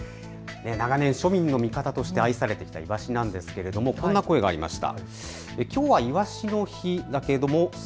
長年、庶民の味方として愛されてきたイワシなんですがこんな声がありました。